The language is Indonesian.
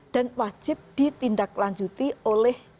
dan wajib ditindaklanjuti oleh